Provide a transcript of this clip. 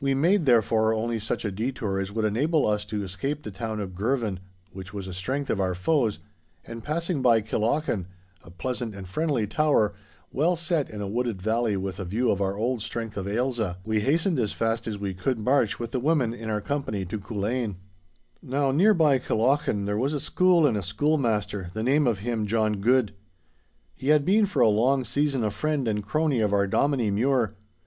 We made, therefore, only such a detour as would enable us to escape the town of Girvan, which was a strength of our foes, and passing by Killochan, a pleasant and friendly tower, well set in a wooded valley with a view of our old strength of Ailsa, we hastened as fast as we could march with the women in our company to Culzean. Now near by Killochan there was a school and a schoolmaster, the name of him John Guid. He had been for a long season a friend and crony of our Dominie Mure.